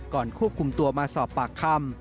ก่อนคู่กุมตัวมาสอบปากคำ